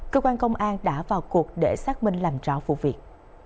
cơ quan công an đã vào cuộc để xác minh làm rõ vụ việc